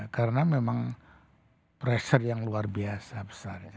karena memang pressure yang luar biasa besar